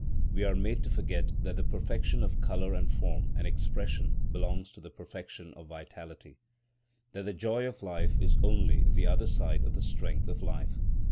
We are made to forget that the perfection of colour and form and expression belongs to the perfection of vitality,—that the joy of life is only the other side of the strength of life.